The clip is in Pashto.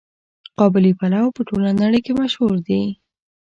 قابلي پلو په ټوله نړۍ کې مشهور دی.